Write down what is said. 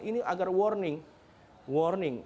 ini agar warning